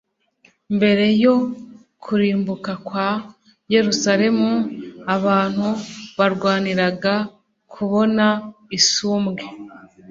Mbere yo kurimbuka kwa Yerusalemu abantu barwaniraga kubona isumbwe.